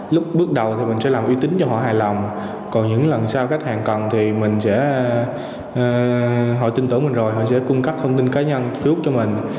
lúc bước đầu thì mình sẽ làm uy tín cho họ hài lòng còn những lần sau khách hàng cần thì mình sẽ họ tin tưởng mình rồi họ sẽ cung cấp thông tin cá nhân trước cho mình